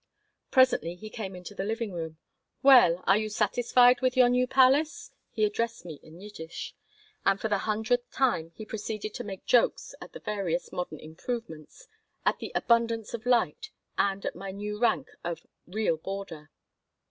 Presently he came into the living room. "Well, are you satisfied with your new palace?" he addressed me in Yiddish. And for the hundredth time he proceeded to make jokes at the various modern "improvements," at the abundance of light, and at my new rank of "real boarder."